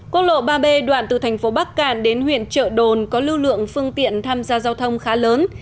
quốc lộ ba b đoạn từ thành phố bắc cạn đến huyện trợ đồn có lưu lượng phương tiện tham gia giao thông khá lớn